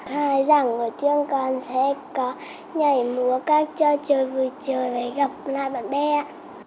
khai giảng của trường con sẽ có nhảy múa các chơi chơi vui chơi với gặp lại bạn bè ạ